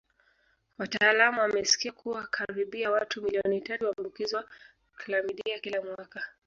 Wataalamu wamekisia kuwa karibia watu milioni tatu huambukizwa klamidia kila mwaka